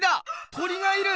鳥がいる！